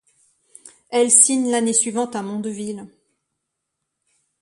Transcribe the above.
Elle signe l'année suivante à Mondeville.